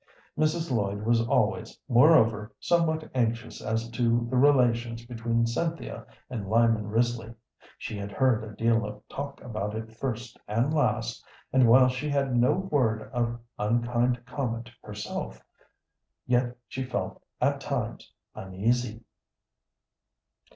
Mrs. Lloyd was always, moreover, somewhat anxious as to the relations between Cynthia and Lyman Risley. She heard a deal of talk about it first and last; and while she had no word of unkind comment herself, yet she felt at times uneasy.